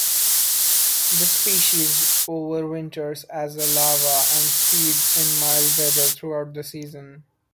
This species overwinters as a larva and feeds in mild weather throughout the season.